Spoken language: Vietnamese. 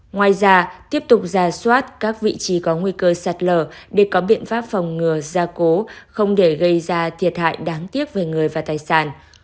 ngoài ra tiếp tục ra soát các vị trí có nguy cơ sạt lở để có biện pháp phòng ngừa gia cố không để gây ra thiệt hại đáng tiếc về người và tài sản